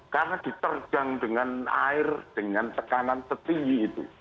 karena diterjang dengan air dengan tekanan setinggi itu